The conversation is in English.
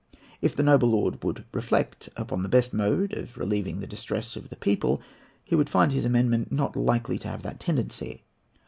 If the noble lord would reflect upon the best mode of relieving the distresses of the people, he would find his amendment not likely to have that tendency.